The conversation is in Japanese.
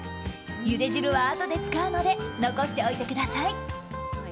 ゆで汁はあとで使うので残しておいてください。